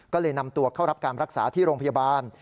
ก็เลยนำตัวเข้ารับการรักษาที่โรงพยาบาล